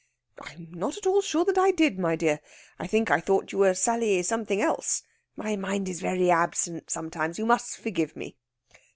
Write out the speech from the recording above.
"I'm not at all sure that I did, my dear. I think I thought you were Sally Something else. My mind is very absent sometimes. You must forgive me.